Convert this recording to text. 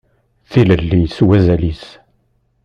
Tilelli s wazal-is.